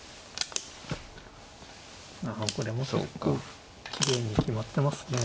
あこれも結構きれいに決まってますね。